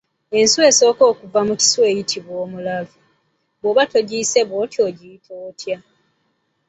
Enswa esooka okuva mu kiswa eyitibwa “omulalu”, bw'oba togiyise bw'otyo ogiyita?